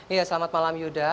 iya selamat malam yuda